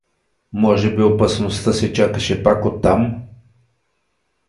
Може би опасността се чакаше пак оттам?